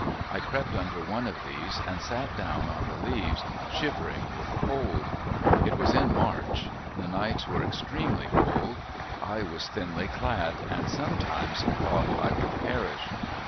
I crept under one of these and sat down on the leaves, shivering with cold. It was in March. The nights were extremely cold. I was thinly clad, and sometimes thought I would perish.